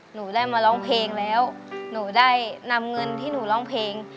หนูได้มาร้องเพลงแล้วหนูได้นำเงินที่หนูร้องเพลง